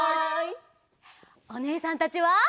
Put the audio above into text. おねえさんたちは。